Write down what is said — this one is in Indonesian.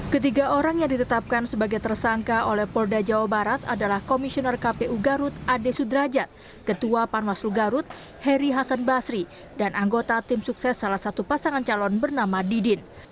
ketiga orang yang ditetapkan sebagai tersangka oleh polda jawa barat adalah komisioner kpu garut ade sudrajat ketua panwaslu garut heri hasan basri dan anggota tim sukses salah satu pasangan calon bernama didin